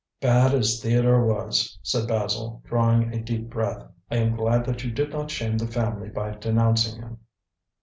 "Bad as Theodore was," said Basil, drawing a deep breath, "I am glad that you did not shame the family by denouncing him."